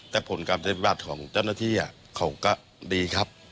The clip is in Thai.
แต่ผลกรรมจัดพิวัตรของเจ้าหน้าที่อ่ะเขาก็ดีครับ